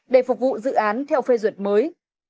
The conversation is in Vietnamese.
để phục vụ dự án theo phê duyệt mới